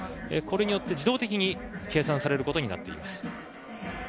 これによって自動的に計算されることになっています。